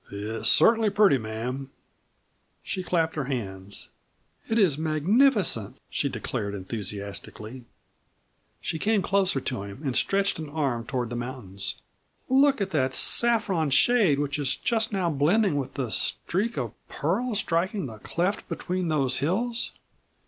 "It's cert'nly pretty, ma'am." She clapped her hands. "It is magnificent!" she declared enthusiastically. She came closer to him and stretched an arm toward the mountains. "Look at that saffron shade which is just now blending with the streak of pearl striking the cleft between those hills!